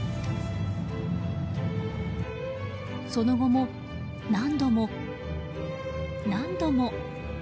その後も何度も何度も。